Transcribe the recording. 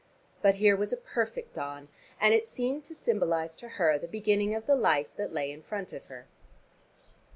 But here was a perfect dawn and it seemed to symbolize to her the beginning of the life that lay in front of her.